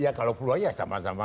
ya kalau perlu ya sama sama lah